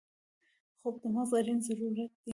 خوب د مغز اړین ضرورت دی